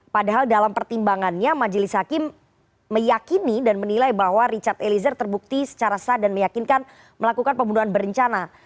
padahal dalam pertimbangannya majelis hakim meyakini dan menilai bahwa richard eliezer terbukti secara sah dan meyakinkan melakukan pembunuhan berencana